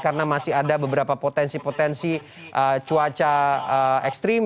karena masih ada beberapa potensi potensi cuaca ekstrim